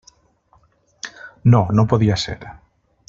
No, no podia ser.